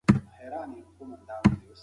لښتې د سختو بادونو تېزي حس کړه.